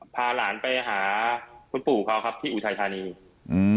พาหลานไปหาไปคุณปู่เขาที่อุทิศาทนีอยู่